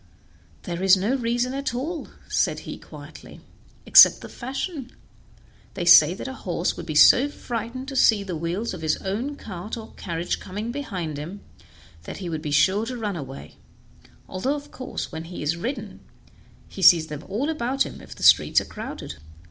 "There is no reason at all," said he quietly, "except the fashion; they say that a horse would be so frightened to see the wheels of his own cart or carriage coming behind him that he would be sure to run away, although of course when he is ridden he sees them all about him if the streets are crowded.